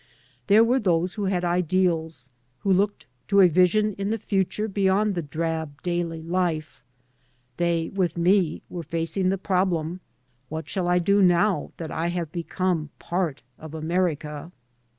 There were th(»e who had ideals, who looked to a vision in the future beyond the drab daily life. They with me were facing the problem :" What shall I do now that I have become part of America ?